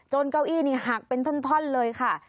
เก้าอี้นี่หักเป็นท่อนเลยค่ะ